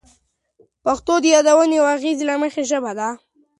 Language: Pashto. پښتو د یادونې او اغیزې له مخې ژبه ده.